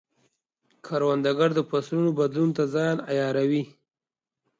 کروندګر د فصلونو بدلون ته ځان عیاروي